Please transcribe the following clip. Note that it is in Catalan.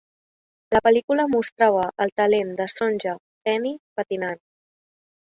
La pel·lícula mostrava el talent de Sonja Henie patinant.